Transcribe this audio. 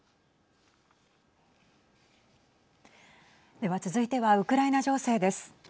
では続いてはウクライナ情勢です。